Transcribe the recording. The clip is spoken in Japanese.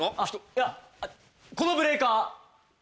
いやこのブレーカー。